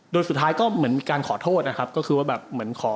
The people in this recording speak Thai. โดยสุดท้ายก็เหมือนการขอโทษก็คือคือแบบ